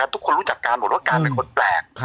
ทุกคนรู้จักการหมดว่าการเป็นคนแปลก